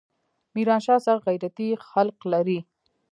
ميرانشاه سخت غيرتي خلق لري.